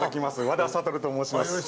和田哲と申します。